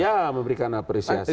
ya memberikan apresiasi